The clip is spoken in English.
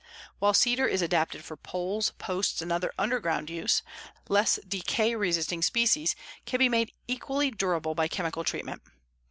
While cedar is adapted for poles, posts and other underground use, less decay resisting species can be made equally durable by chemical treatment.